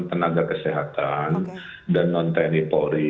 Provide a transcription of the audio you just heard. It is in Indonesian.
kepada non tenaga kesehatan dan non tenebori